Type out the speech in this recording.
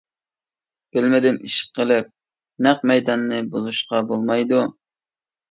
— بىلمىدىم، ئىش قىلىپ نەق مەيداننى بۇزۇشقا بولمايدۇ.